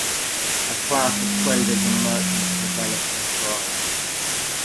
A class of traders and merchants developed and thrived.